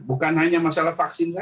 bukan hanya masalah vaksin